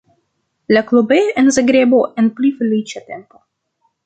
La klubejo en Zagrebo en pli feliĉa tempo.